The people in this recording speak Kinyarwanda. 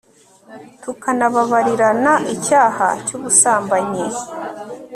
tukanababarirana icyaha cy'ubusambanyi